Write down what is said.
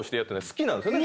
好きなんですよね？